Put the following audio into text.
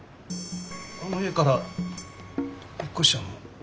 あの家から引っ越しちゃうの？